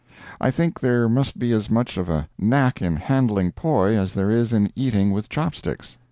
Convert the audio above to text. I think there must be as much of a knack in handling poi as there is in eating with chopsticks.